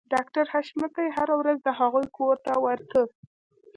ډاکټر حشمتي هره ورځ د هغوی کور ته ورته